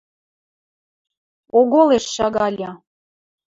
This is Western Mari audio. Оголеш шагальы